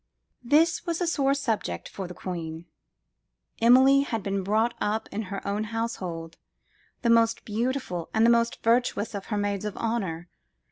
This was a sore subject for the queen. Emilie had been brought up in her own household, the most beautiful and the most virtuous of her maids of honour.